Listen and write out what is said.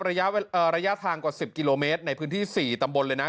ระยะระยะทางกว่าสิบกิโลเมตรในพื้นที่สี่ตำบนเลยน่ะ